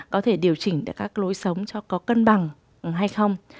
có thể điều chỉnh được các lối sống cho có cân bằng hay không